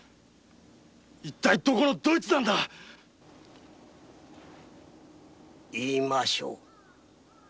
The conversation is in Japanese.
一体どこのどいつなんだ言いましょう。